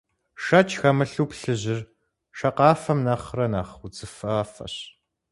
Шэч хэмылъу, плъыжьыр шакъафэм нэхърэ нэхъ удзыфафэщ.